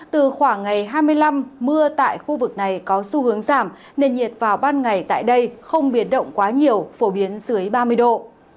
từ khoảng ngày hai mươi năm mưa tại khu vực này có xu hướng giảm nền nhiệt vào ban ngày tại đây không biệt động quá nhiều phổ biến dưới ba mươi độ